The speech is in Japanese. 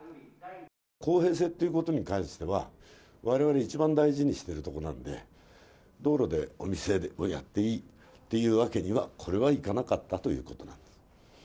公平性っていうことに関しては、われわれ一番大事にしてるとこなんで、道路でお店をやっていいっていうわけには、これはいかなかったということなんです。